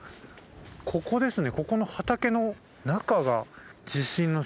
ここですね。